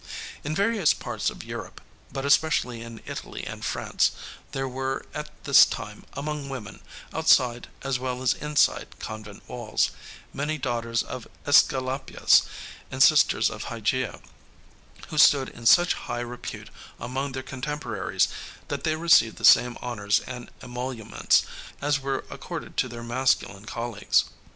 In various parts of Europe, but especially in Italy and France, there were at this time among women, outside as well as inside convent walls, many daughters of Æsculapius and sisters of Hygeia who stood in such high repute among their contemporaries that they received the same honors and emoluments as were accorded to their masculine colleagues.